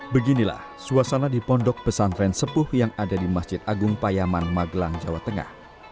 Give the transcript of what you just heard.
beginilah suasana di pondok pesantren subuh yang ada di masjid agung payaman magelanjo tengah